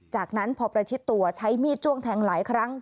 จากนั้นพอประชิดตัวใช้มีดจ้วงแทงหลายครั้ง